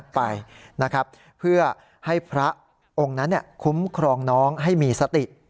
ไปนะครับเพื่อให้พระองค์นั้นคุ้มครองน้องให้มีสติ